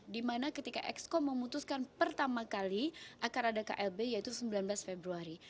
dimana ketika exco memutuskan pertama kali akan ada klb yaitu sembilan belas februari